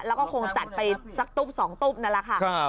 แล้วก็คงจัดไปสักตุ๊บ๒ตุ๊บนั่นแหละค่ะ